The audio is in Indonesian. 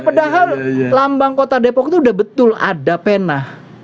padahal lambang kota depok itu sudah betul ada pena